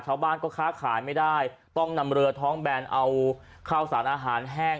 ชาวบ้านก็ค้าขายไม่ได้ต้องนำเรือท้องแบนเอาข้าวสารอาหารแห้ง